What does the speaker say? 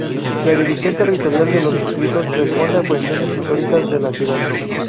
La división territorial de los distritos responde a cuestiones históricas de la ciudad.